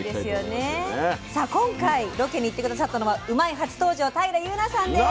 さあ今回ロケに行って下さったのは「うまいッ！」初登場平祐奈さんです。